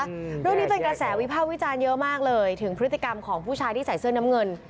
เรื่องนี้เป็นกระแสวิภาพวิจารณ์เยอะมากเลยถึงพฤติกรรมของผู้ชายที่ใส่เสื้อน้ำเงิน